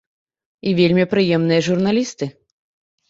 І вельмі прыемныя журналісты.